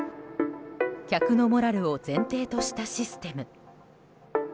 客のモラルを前提としたシステム。